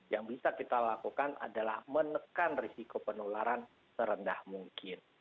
yang bisa kita lakukan adalah menekan risiko penularan serendah mungkin